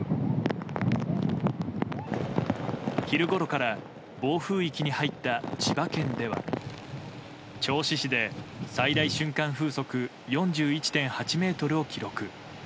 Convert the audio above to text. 昼ごろから暴風域に入った千葉県では銚子市で最大瞬間風速４１．８メートルを記録。